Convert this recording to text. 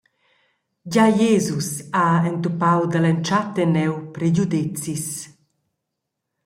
Gia Jesus ha entupau dall’entschatta enneu pregiudezis.